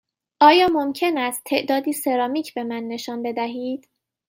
آیا ممکن است تعدادی سرامیک به من نشان بدهید؟